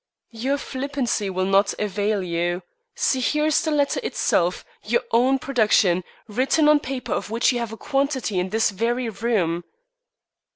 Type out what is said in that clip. "Your flippancy will not avail you. See, here is the letter itself your own production written on paper of which you have a quantity in this very room."